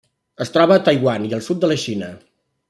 Es troba a Taiwan i al sud de la Xina.